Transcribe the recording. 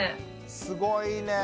すごいね。